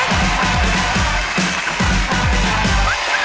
สุดท้าย